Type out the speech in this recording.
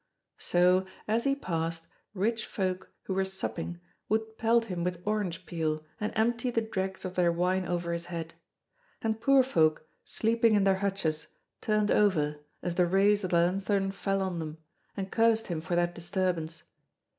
So, as he passed, rich folk who were supping would pelt him with orange peel and empty the dregs of their wine over his head; and poor folk, sleeping in their hutches, turned over, as the rays of the lanthorn fell on them, and cursed him for that disturbance.